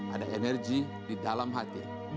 ada energi di dalam hati